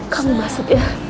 kamu masuk ya